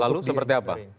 lalu seperti apa